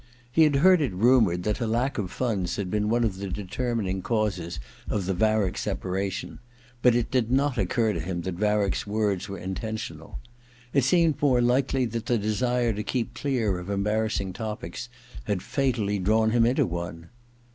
He had heard it rumoured that a lack of funds had been one of the determining causes of the Varick separation, but it did not occur to him that Varick's words were intentional. It seemed more likely that the desire to keep clear of embarrassing topics had fatally drawn him into one.